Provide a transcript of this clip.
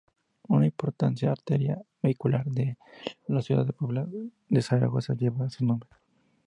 Una importante arteria vehicular de la ciudad de Puebla de Zaragoza lleva su nombre.